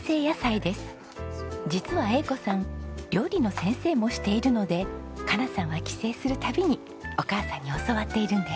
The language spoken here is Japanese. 実は英子さん料理の先生もしているので加奈さんは帰省する度にお母さんに教わっているんです。